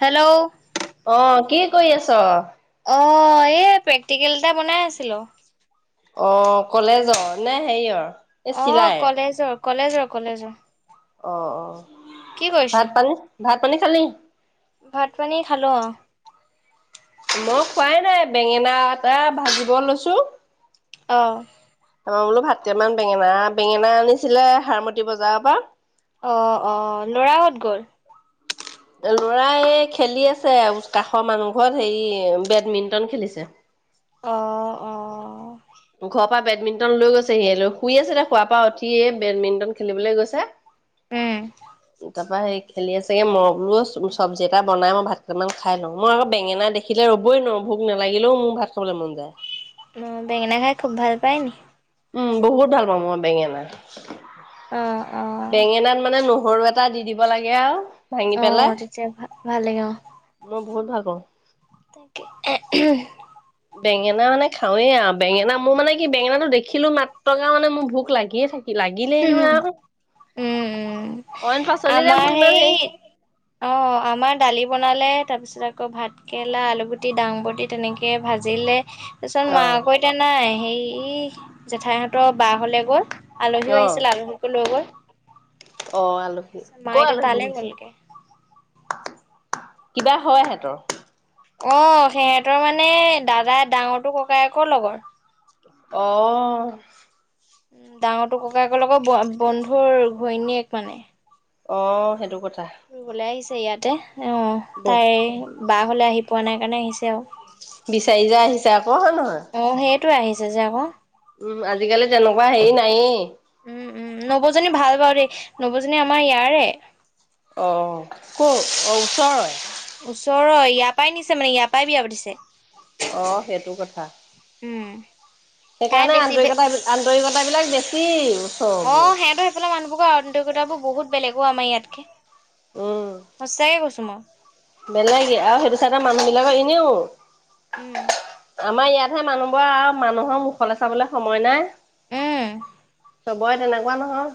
Hello আহ কি কৰি আছ অ এই প্ৰেক্টিকেল এটা বনাই আছিলো অ কলেজ অ নে হেৰি অ অ কলেজৰ কলেজৰ কলেজৰ অ অ কি কৰিছে ভাত পানী ভাত পানী খালি ভাত পানী খালো মই খোৱাই নাই বেঙেনা এটা ভাজিব লৈছো আহ আমাৰ বোলো ভাতকেইামান বেঙেনা বেঙেনা আনিছিলে হাৰমত বজাৰৰ পৰা অ অ ল'ৰাহত গ'ল ল'ৰা এই খেলি আছে কাষৰ মানুহ ঘৰত হে বেডমিণ্টন খেলিছে অ অ ঘৰৰ পৰা বেডমিণ্টন লৈ গৈছে সি লৈ শুই আছে দে খোৱাৰ পৰা উঠিয়ে বেডমিণ্টন খেলিবলৈ গৈছে উম ত প খেলি আ চাগে মলো চব্ি এটা বাই মই ভাতকেইটান খাই লওঁ মই আৌ বেঙেনা দেখিলে ৰ'বই নোৱাৰো ভোক নালাগিলেও মোক ভাত খাবলৈ মন যায়। অ বেঙেনা খাই খুব ভাল পায়নি উম বহুত ভাল পাওঁ মই বেঙেনা অ অ বেঙেনাত মানে ন গৰু এটা দি দিব লাগে আৰু ভাঙি অ পেলাই তেতিয়া ভ ভাল লাগে অ মই বহুত ভাল পাওঁ উ উ বেঙেনা মানে খাওৱে আৰু বেঙেনা মোৰ মানে কি বেঙেনাটো দেখিলো মাত্ৰকা মানে মোৰ ভোক লাগিয়ে থাকে লাগিলেই নহ উম আৰু উম অইন পাচলি য আমাৰ মোৰ ইমান হেৰি সেই অ আমাৰ দালি বনালে তাৰপিছত আকৌ ভাতকেৰেলা আলুগুটি দাংবটি তেনেকৈ ভাজিলে তাৰপিছত অ ম আকৌ এতিয়া নাই হে জেঠাইহঁতৰ বাহ হলে গল আলহীও আহিছিলে আলহীকো লৈ গ'ল অহ আলহী মা ক এতিয়া আলী তালে গ'লগে। কিবা হয় সিহতৰ অ সিহঁতৰ মানে দাদাই ডাঙৰটো ককাই আকৌ লগৰ অহ উ ডাঙৰটোো ককায়েকৰ লগৰ বন্ধুৰ ঘৈণীয়েক মানে অ সেইটো কথা দূবলৈ আহিছে ইয়াতে অহ বল তাই বাহ হলে আহি পোৱা নাই কাৰণে আহিছে আৰু বিচাৰি যোৱা আহিছো আকৌ হয় নহয় অ', সেইটোৱে আহিছে যে আকৌ উম আজিকালি তেনেকুৱা হেৰি নাইেই উম উম নবৌজনী ভাল বাৰু দেই নবৌজনী আমাৰ ইয়াৰে অঁ ক'ৰ অ ওচৰৰে ওচৰৰ ইয়াৰ পৰাই নিছে মানে ইয়াৰ পৰাই বিয়া পাতিছে অ সেইটো কথা উম তাই সেইকাৰণে বেছি বে আন্তৰিকতা আন্তৰিকতাবিলাক বেছি অ ওচৰবোৰৰ। সিহঁত সফালে মানুহবোৰৰ আন্তৰিকতা বোৰ বহুত বেলেগ অ আমাৰ ইয়াতকে উম। সঁচাকে কৈছো মই মানুহ বিলাকৰ এনেও উম আমাৰ ইয়াতহে মানুহবোৰ আৰু মানুহৰ মুখলৈ চাবলৈ সময় নাই উম চবৰে তেনেকুৱা নহয়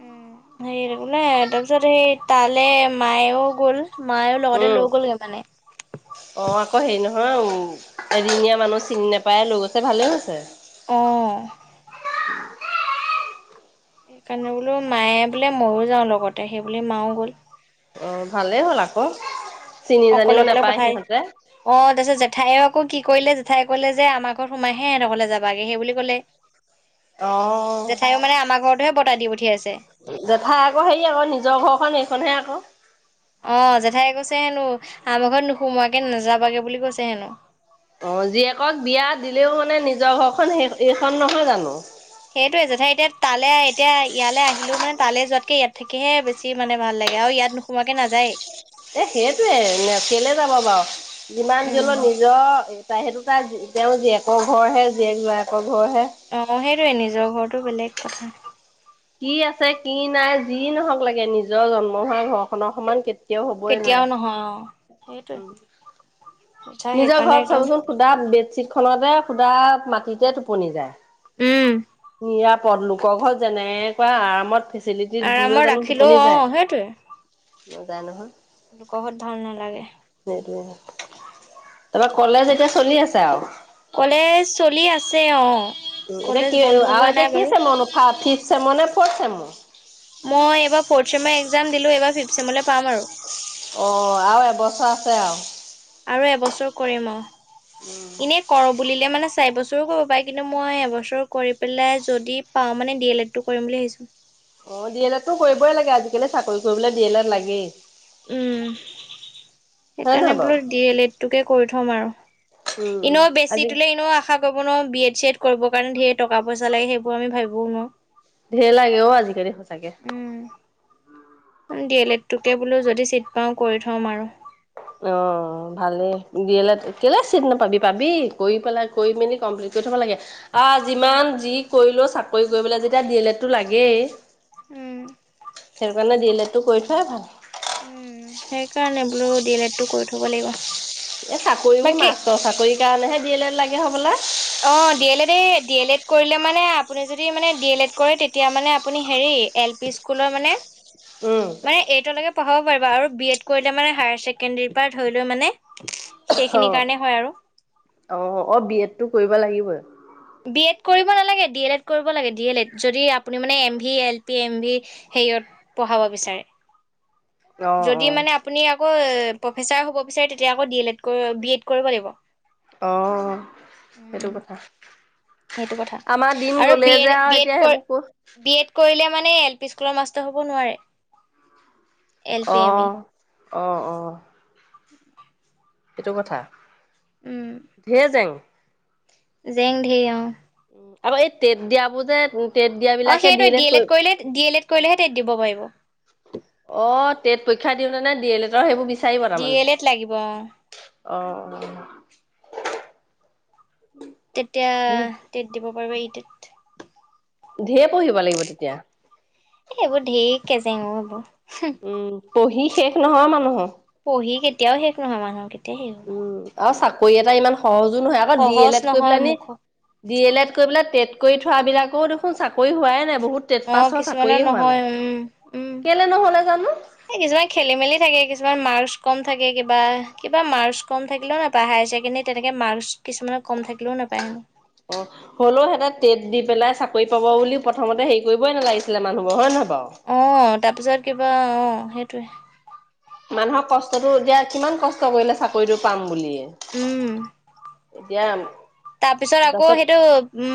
উম হেৰী ওলাই তাৰপিছত সেই তালৈ মায়েও গ'ল মায়ও লগতে উম। লৈ গ'লগে মানে হ এদিনীয়া মানুহ চিনি নাপায় লৈ গৈছে ভালেই হৈছে অহ উম [unintelligible] সেইকাৰণে বোলো মায়ে বোলে ময়ো যাওঁ লগতে সেইবুলি মাও গ'ল অ ভালেই হ'ল আকৌ চিনি অকলে জানিও অকলে নাপায় পঠায় সিহঁতে। অ তাৰপিছত জেঠাইও আকৌ কি কৰিলে ঠাই কলে যে আমাৰ ঘৰত সোমাইহে হেহত ঘৰলে যাবাগে সেই বুলি ক'লে অ'। জেঠাইও মানে আমাৰ ঘৰতোহে বতাই দি পঠিয়াইছে জেঠাই আকৌ হে আকৌ নিজৰ ঘৰখন সেইখনহে আকৌ অ জেঠাই কৈছে হেনো আমাৰ ঘৰত নোসুমোৱাকে নাযাবাগে বুলি কৈছে হেনো অ জীয়েকক বিয়া দিলেও মানে নিজৰ ঘৰখন সেই এইখন নহয় জানো সেইটোৱয়ে জেথাই এতিয়া তালে এতিয়া ইয়ালে আহিলেও মানে তালৈ যোৱাতকে ইয়াত থাকিহে বেছি মানে ভাল লাগে সেৱাও আৰু ইয়াত নোসোমোৱাকে নাযায় এ সেইটোৱে কেলে যাব বাৰু যিমান যি উম, হ'লেও নিজৰ তাই সেইটো তাৰ তেওঁ জীয়েকৰ ঘৰহে জীয়েক জোৱায়েকৰ ঘৰহে। অ সেইটোয়ে নিজৰ ঘৰতো বেলেগ কথা কি আছে কি নাই যি নহক লাগে নিজৰ জন্ম হোৱা ঘৰ খনৰ সমান কে কেতিয়াও হবই নোৱাৰে কেতিয়াও নহয় অ'। সেইটোৱে উ জেঠাই নিজৰ সেইকাৰণে ঘৰত একদম চাবচোন শুদা বেডশ্বীট খনতে শুদা মাটিতে টোপনি যায় উম নিৰাপদ লোকৰ ঘৰত যেনেকুৱা আৰামত চিলিটি দিলেও আৰামত জানো ৰাখিলেও টোপনি যায় অ' নাযায় নহয় কহৰ ভাল নালাগে তাৰপৰা কলেজ এতিয়া চলি আছে আৰু ছে উ এতিয়া কি আৰু এতিয়া কি চেমৰ নু ফিফ ছেমৰ নে ফৰ্থ চেমৰ মই এইবাৰ ফ'ৰ্থ চেমৰ এক্সাম দিলোঁ এইবাৰ ফিফ্থ চেমলৈ পাম আৰু অ আৰু এবছৰ আছে আৰু আৰু এবছৰ কৰিম অ এনে কৰোঁ বুলি এ মানে চাৰি বছৰো কৰিব পাৰি কিন্তু মই এবছৰ কৰি পেলাই যদি পাও মানে ডি এল এড টো কৰিম বুলি ভাবিছো অ ডি এল এটো কৰিবই লাগে আজিকালি চাকৰি কৰিবলৈ ডি এল এড লাগেই উম হয় সেইকাৰণে নহয় বাৰু বোলো ডি এল এডটোকে কৰি থম আৰু উম। ইনেও আজি বেছিটোলেে ইনো আশা কৰ কৰিব নোৱাৰো বি এড চি এড কৰিবৰ কাৰণে ধেৰ টকা পইচা লাগে সেইবোৰ আমি ভাবিবও নোৱাৰো ধেই লাগে অ' আজিকালি সচাকে। দিযে লেত এটোকে বোলো যদি চিট পাও কৰি থম আৰু।। অ' ভালেই দিয়ে লেদ কিয় চিট নাপাবি পাবি কৰি পেলাই কৰি মেলি কমপ্লিট কৰি থব লাগে। আহ যিমান যি কৰিলো চাকৰি কৰিবলৈ যেতিয়া দিয়ে লেত তো লাগেই সেই কাৰণে দিলেতো কৰি থুৱাই ভাল। উম, সেইকাৰণে বোলো ডি এল এডটো কৰি থব লাগিব। এই চাকৰিবোৰ বাকী মাষ্টৰ চাকৰিৰ কাৰণেহে দডি এল এড লাগে হ'বলা। অ, ডি এল এড, এই ডি এল এড কৰিলে মানে আপুনি যদি মানে ডি এল এড কৰে তেতিয়া মানে আপুনি হেৰি এল পি স্কুলৰ উম মানে-মানে এইটো পঢ়াব পাৰিবা আৰু বি এড কৰিলে মানে হায়াৰ ছেকেণ্ডৰীৰ পৰা ধৰি লৈ মানে। সেইখিনি কাৰণে হয় আৰু অ-অ-অ, বি এড টো কৰিব লাগিবই। বি এড কৰিব নালাগে ডি এল এ কৰিব লাগে। ডি এল এ যদি আপুনি মানে M V L P M V, সেৰিয়ত পঢ়াব বিচাৰে। অ অ যদি মানে আপুনি আকৌ প্ৰফেচাৰ হ'ব বিচাৰে তেতিয়া আকৌ D L Ed, B Ed কৰিব লাগিব অ উম, সেইটো কথা সেইটো কথা আমাৰ দিন আৰু গ'লে বি যে এড, আৰু বি এড এতিয়া কৰি সেইবোৰ ক বি এড কৰিলে। এল পি স্কুল মাষ্টাৰ হব নোৱাৰে এল পি, এম ই অহ-অহ। এইটো কথা উম ধেই জেং। জেং ধেই অ', আক এই তেত দিয়াবোৰ যে তেট দিয়া অ বিলাকে সেইটোৱে দিলে ডি এল কৰি এড অ', কৰিলে ডি এল এড কৰিলেহে টেট দিব পাৰিব টেট পৰক্ষা দিওঁতে নে দি এল এড সেইবোৰ চাৰিব তাৰ ডি এল মানে এড লাগিব অ অ, তেতিয়া টেট দিব পাৰিব ই টেট। ধেই পঢ়িব লাগিব তেতিয়া। সেইবোৰ ধেই কেছেঙ এইবোৰ উম, পঢ়ি শেষ নহয় মানুহৰ, পঢ়ি কেতিয়াও শেষ নহয় মানুহ কে উম, আৰু চাকৰি এটা ইমান সহজো নহয় আকৌ দি সহজ এল এড কৰি নহয় পেলি মুখ দি এল এড টেট কৰি থোৱ বিলাকেও দেখোন চাকৰি হোৱাই নাই। বহুত তেট অ পাছৰ কিছুমানৰ চাকৰিয়ে হোৱা নহয় উম নাই কেলে নহ'লে জানো। এ কিছুমান খেলি মেলি থাকে কিছুমান মাৰছ কম থাকে কিবা কিবা মাৰ্কছ কম থাকিলে নাপা হায়াৰ ছেকেণ্ডেৰী তেনেকে মাৰ্কছ কিছুমানত কম থাকে। অ' হ'লেও সিহঁতে টেট দি পেলাই চাকৰি পাব বুলি প্ৰথমতে হেৰি কৰিবই নালাগিছে। মানুবোৰৰ হয় নহয় বাৰু। অ তাৰপিছত কিবা অ সেইটয়ে। মানুহক কষ্টটো দিয়া কিমান কষ্ট কৰিলে চাকৰিটো পাম বুলিয়ে। এতিয়া তাৰ পিছত আকৌ তাৰপিছত সেইটো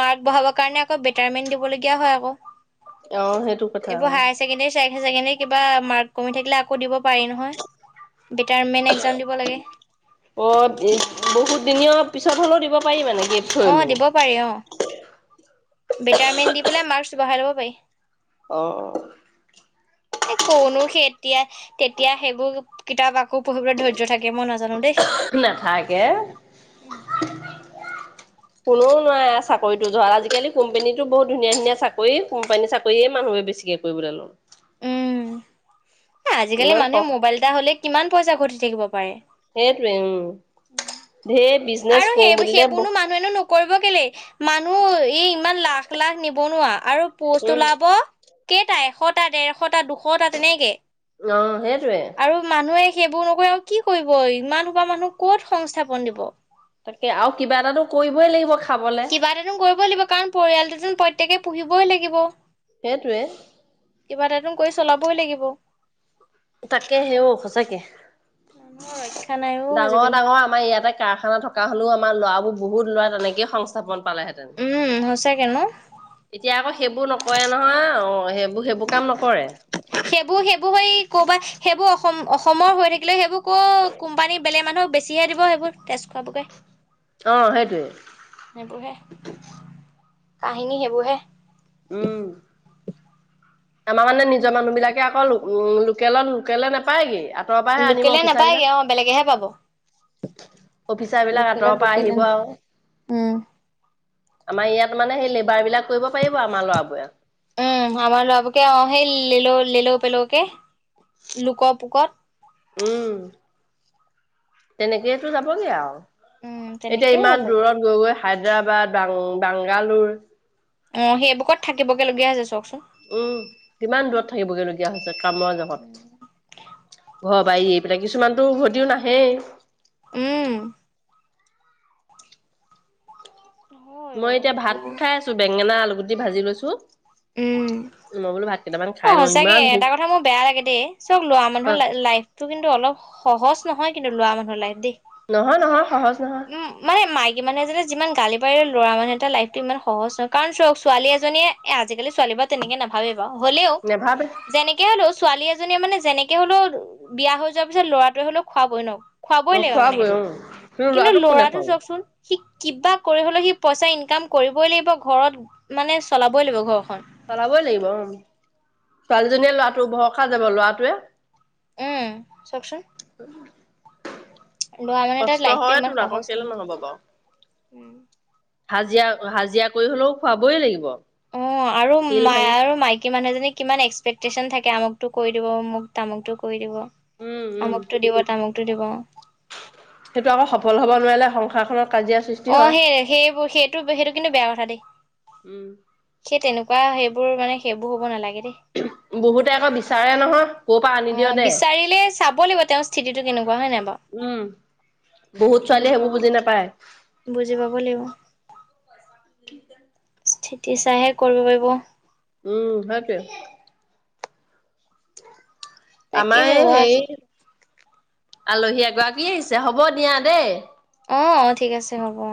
মাৰ্ক বঢ়াব কাৰণে আকৌ বেটাৰমেন্ট দিবলগীয়া হয় আকৌ। অ সেইটো কথা এইবোৰ অ। হায়াৰ ছেকেণ্ডৰী চছেকেণ্ডী কিবা মাৰ্ক কমি থাকিলে আকৌ দিব। পাৰি নহয়। বেটাৰমেণ্ট এক্সাম দিব লাগে। অ' বহুত দিনীয়া পিছত হ'লেও দিব। পাৰি মানে গেপ থৈ অ' হলেও। দিব পাৰি অ বেটাৰমেণ্ দি পেলাই মাৰ্কচ বঢ়াই ল'ব পাৰি। অ', এই কনো সেই এতিয়া তেতিয়া সেইবোৰ কিতাপ আকৌ পঢ়িবলৈ ধৈৰ্য থাকে মই নাজো। নাথাকে কোনেও নোৱাৰে চাকৰিতো যোৱা আজিকালি কোম্পানীতো বহুত ধুনীয়া ধুনীয়া চাকৰি কোম্পানী চাকৰিয়ে মানে। বেছিকে কৰিবলে লও। উম, আজিকালি মানুহে মোবাইল এটা হলে কিমান পইচা ঘটি থাকিব পাৰে সেইটোৱে উম ধঢেৰ বি আৰু সেই সেইবোৰনো মানুহনো ন কৰিব কেলে মানুহ এই ইমান লাখ লাখ নিবনোৱাৰা আৰু পোষ্ট উম ওলাব কেইটা এশটা ডেৰশটা দুশটা তেনেকে অ হেে আৰু মানুহে সেইবোৰ নকৰি আৰু কি কৰিব ইমানহো বা মানুহ কত সংস্থাপন দিব তাকে আৰু কিবা এটাটো কৰিবই লাগিব খাবলে কিবা এটান কৰিবই লাগিব কাৰণ পৰিয়ালটো প্ৰত্যেকেই পুহিবই লাগিব সেইটোৱে কিবা এটাাতন কৰি চলাবই লাগিব তাকে হে সঁচাকে মানুহৰ ৰক্ষা নাই অ ডাঙৰ আজিকালি ডাঙৰ আমাৰ ইয়াতে কাৰখানা থকা হলেও আমাৰ লৰাবোৰ বহুত লৰা তেনেকেই সংস্থাপন পালেহেতেন উম সঁচাকে ন এতিয়া আকৌ সেইবোৰ নকৰে নহয় অ সেইবোৰ সেইবোৰ কাম নকৰে সেইবোৰ সেইবোৰ স কৰ'বাত সেইবোৰ অসম অসমৰ হৈ থাকিলে সেইবোৰ ক' কোম্পানী বেলেগ মানুহক বেছিহে দিব সেইবোৰ তেজ খোৱ বকে অ সেইটোৱে সেইবোৰ হে কাহিনী সেইবোৰহে উম আমাৰ মানে নিজৰ মানুহ বিলাকে আকৌ উ লোকেলত লোকলে নাপায়গে তৰৰ পৰাহে আনিব লোকেলে অফিচাৰ বিলাক নাপায়গে অ বেলেগেহে পাব অফিচাৰ বিলাক লোকেলত আঁতৰৰ পৰা লোকেলে আহিব নাই আৰু উম আমাৰ ইয়াত মানে সেই লেবাৰ বিলাক কৰিব পাৰিব আমাৰ লৰাবোৰে উম আমাৰ বাবুক অ আহে ললো ললো পেল কে লোক পোকত উম তেনেকেইেতো যাবগে আৰু উম এতিয়া তেনেকেই ইমান যাবগে দূৰত গৈগৈ হায়দৰাবাদ বাং বাংগালোৰ অ সেইবুকত থাকিবগে লগগীয়া হৈছে চাকচোন উম কিমান দূৰত থাকিবগৈলগীয়া হৈছে কামৰা উম জগত ঘৰবাৰ এই পনে কিছুমানতো উভতিও নাহেই উম মই অ এতিয়া ভাত এইবোৰ খাই আছো বেঙেনা আলুগুটি ভাজি লৈছো উম মই বোলো ভাত কেইটামান অ খাই লওঁ সচাকে ইমান ভোক এটা কথা মোৰ বেয়া লাগে দেই চব লোৱা মানুহৰ লাইফটো কিন্তু অলপ সহজ নহয় কিন্তু লোৱা মানুহ লাইফ দেই নহয় নহয় সহজ নহয় উম মানে মায়ে মান আ যিমান গালি পাৰি ল'ৰা মানুহ এটা লাইফতো ইমান সহজ নহয় কাৰণ চ ছালী এজনীয়ে এ আজিকালি ছোৱালী বা তেনেকে নাভাবে হলেও নেভাবে। যেনেকে হ'লও ছোৱালী এজনীয়ে মানে যেনেকে হলেও বিয়া হৈ যোৱাৰ পিছত ল'ৰাটোৱে হলেও খোৱোৱাাবই ন খুৱাবই অ লাগিব মানে সেইটো অ কিন্তু ল'ৰাটোক কোনে লৰাটো খুৱাব চাওকচোন সি কিবা কৰি হলেও সি পইচা ইনকাম কৰিবই লাগিব ঘৰত মানে চলাবই লাগিব ঘৰখন চলাবই লাগিব ছোৱালীজনীয়ে লৰাটো ভৰসা যাব লৰাটোৱে উম চাওকচোন উ ল'ৰা মানুহ এটাৰ কষ্ট লাইফটো হয় ইমান তোৰ আকৌ সহজ কেলে নহয় নহব বাৰু হাজিৰা হাজিৰা কৰি হলেও খোৱাবই লাগিব অ আৰু শিল মাই ভাঙি আৰু মাইকী মানুহ এজনী কিমান এক্সপেক্টেশচন থাকে আমুকতটো কৰি দিব মোক তামুকটো কৰি দিব উম উম আমুকতটো দিব তামুক দিব সেইটো আকৌ সফল হব নোৱাৰিলে সংসাৰখনত কাজিয়াৰ সৃষ্টি অ হয় সেই সেইবোৰ সেইটো সেইটো কিন্তু বেয়া কথা দেই উম সেই তেনেকুৱা কোৱা সেইবোৰ মানে সেইবোৰ হ'ব নালাগে দেই বহুতে আকৌ বিচাৰে নহয় ক'ৰ পৰা আনি অ দিয় দে বিচাৰিলে চাব লাগিব তেওঁৰ স্থিতিটো কেনেকুৱা হয় নাই উম বহুত বাৰু ছোৱালীয়ে বুজি সেইবোৰ পাব নাপায় ল বুজি পাব লাগিব ল স্থিতি চাইহে কৰিব পাৰিব উম ভাক আমাৰ তাকেহে অ সেই আজি আলহী এগৰাকী আহিছে হ'ব দিয়া দেই অ অ ঠিক আছে হ'ব অ